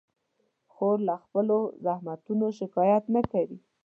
خور له خپلو زحمتونو شکایت نه کوي.